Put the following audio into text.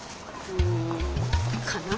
うんかな？